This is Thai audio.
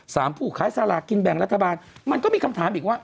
สามผู้ขายสาระกินแบงค์รัฐบาล